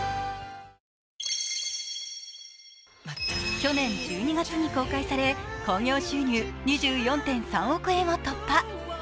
去年１２月に公開され興行収入２４．３億円を突破。